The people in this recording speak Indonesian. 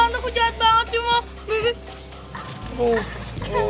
udah udah udah aku pamit ya